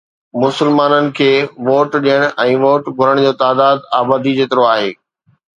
مسلمانن کي ووٽ ڏيڻ ۽ ووٽ گهرڻ جو تعداد آبادي جيترو آهي.